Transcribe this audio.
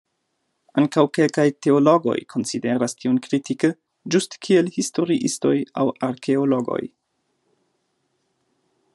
Ankaŭ kelkaj teologoj konsideras tion kritike, ĝuste kiel historiistoj aŭ arkeologoj.